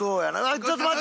ちょっと待って！